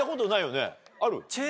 ある？